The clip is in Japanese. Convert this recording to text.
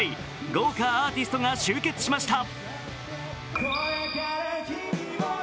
豪華アーティストが集結しました。